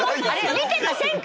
見てませんか？